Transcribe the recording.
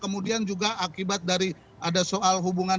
kemudian juga akibat dari ada soal hubungan